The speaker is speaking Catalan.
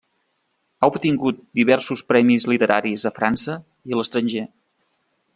Ha obtingut diversos premis literaris a França i a l'estranger.